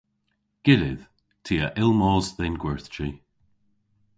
Gyllydh. Ty a yll mos dhe'n gwerthji.